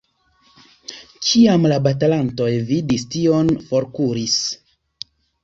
Kiam la batalantoj vidis tion, forkuris.